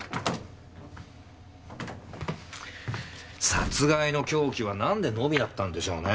殺害の凶器はなんでのみだったんでしょうね？